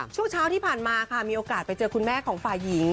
ช่วงเช้าที่ผ่านมาค่ะมีโอกาสไปเจอคุณแม่ของฝ่ายหญิง